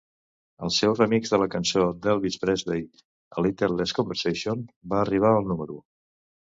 El seu remix de la cançó de Elvis Presley, "A Little Less Conversation" va arribar al número.